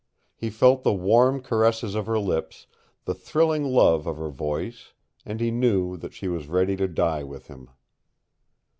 He felt the warm caresses of her lips, the thrilling love of her voice, and he knew that she was ready to die with him.